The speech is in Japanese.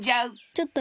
ちょっと！